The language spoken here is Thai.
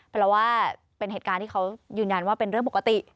เพราะว่าเป็นเหตุการณ์ที่เขายืนยันว่าเป็นเรื่องปกติ